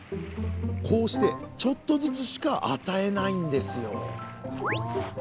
こうしてちょっとずつしか与えないんですよ